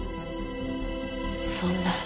そんな。